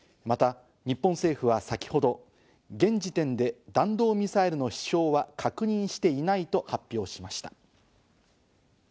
また、日本政府は先ほど現時点で弾道ミサイルの飛翔は確認していないと発表しました。